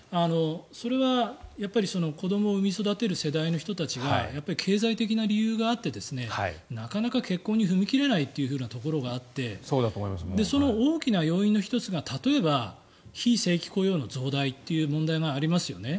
それは子どもを産み育てる人たちが経済的な理由があってなかなか結婚に踏み切れないというところがあってその大きな要因の１つが例えば、非正規雇用の増大という問題がありますよね。